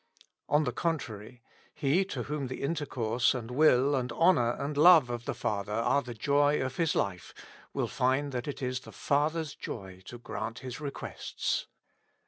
On the contrary, he to whom the intercourse and will and honor and love of the father are the joy of his life, will find that it is the father's joy to grant his requests.